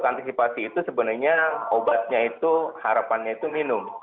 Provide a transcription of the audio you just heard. antisipasi itu sebenarnya obatnya itu harapannya itu minum